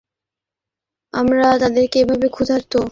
আমরা তাদেরকে এভাবে ক্ষুধার্ত রেখে তিলে তিলে মারব।